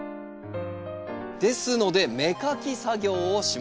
ですので芽かき作業をします。